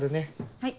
はい。